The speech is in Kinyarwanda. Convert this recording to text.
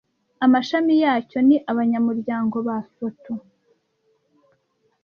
Amashami yacyo ni abanyamuryango ba Soto